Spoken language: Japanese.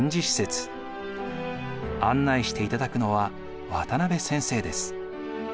案内していただくのは渡辺先生です。